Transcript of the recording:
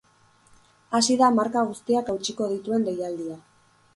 Hasi da marka guztiak hautsiko dituen deialdia.